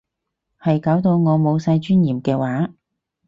係搞到我冇晒尊嚴嘅話